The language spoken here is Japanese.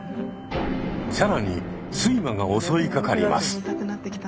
更に睡魔が襲いかかります。